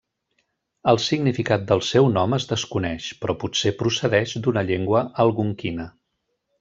El significat del seu nom es desconeix, però potser procedeix d'una llengua algonquina.